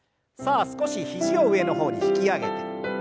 さあ少し肘を上の方に引き上げて。